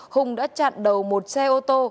hùng đã chặn đầu một xe ô tô